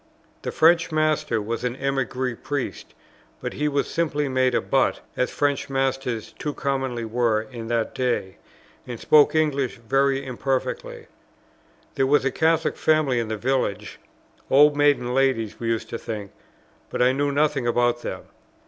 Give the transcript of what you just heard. The French master was an émigré Priest, but he was simply made a butt, as French masters too commonly were in that day, and spoke English very imperfectly. There was a Catholic family in the village, old maiden ladies we used to think; but I knew nothing about them.